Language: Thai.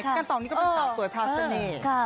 กันต่อนี่ก็เป็นสาวสวยพรามเสน่ห์